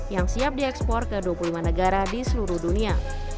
yang siap diekspor ke dua puluh lima negara di seluruh dunia